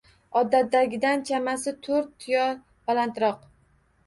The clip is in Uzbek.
Odatdagidan chamasi to‘rt tyo balandroq.